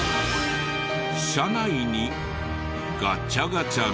車内にガチャガチャが。